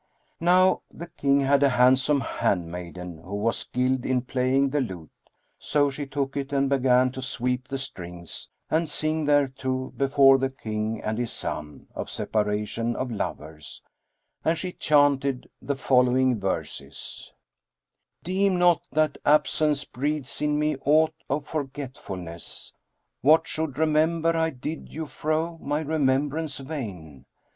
Now the King had a handsome handmaiden who was skilled in playing the lute; so she took it and began to sweep the strings and sing thereto before the King and his son of separation of lovers, and she chanted the following verses:— "Deem not that absence breeds in me aught of forgetfulness; * What should remember I did you fro' my remembrance wane?